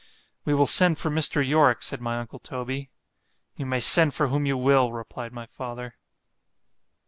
_ We will send for Mr. Yorick, said my uncle Toby. ——You may send for whom you will, replied my father.